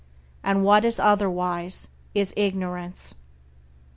And what is otherwise is ignorance!"